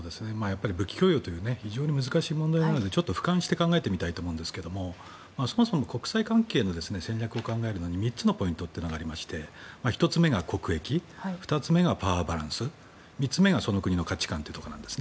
武器供与という非常に難しい問題なのでちょっと俯瞰して考えてみたいと思うんですがそもそも国際関係の戦略を考えるのに３つのポイントがありまして１つ目が国益２つ目がパワーバランス３つ目がその国の価値観というものです。